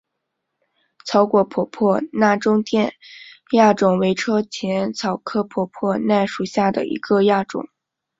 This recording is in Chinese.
长果婆婆纳中甸亚种为车前草科婆婆纳属下的一个亚种。